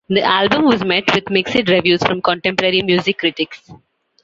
The album was met with mixed reviews from contemporary music critics.